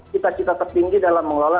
cita cita tertinggi dalam mengelola